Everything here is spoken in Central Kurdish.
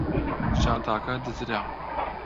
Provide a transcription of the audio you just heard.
جانتاکە دزرا.